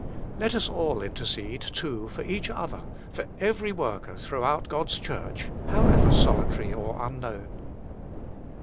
Let us all intercede too for each other, for every worker through out God s Church, however solitary or unknown.